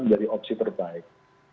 menjadi opsi terbaik